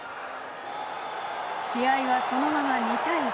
試合はそのまま、２対１。